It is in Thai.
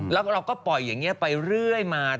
แล้วเราก็ปล่อยอย่างนี้ไปเรื่อยมา